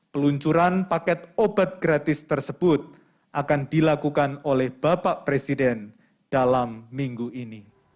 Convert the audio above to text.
peluncuran paket obat gratis tersebut akan dilakukan oleh bapak presiden dalam minggu ini